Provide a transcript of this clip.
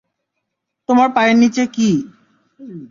তোমার পায়ের নিচে কি?